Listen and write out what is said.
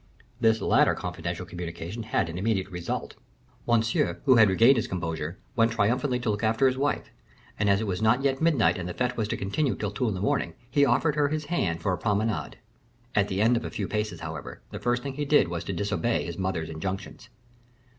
This latter confidential communication had an immediate result. Monsieur, who had regained his composure, went triumphantly to look after his wife, and it was not yet midnight and the fete was to continue until two in the morning, he offered her his hand for a promenade. At the end of a few paces, however, the first thing he did was to disobey his mother's injunctions.